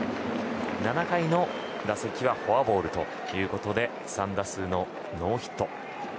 ７回の打席はフォアボールということで３打数ノーヒット。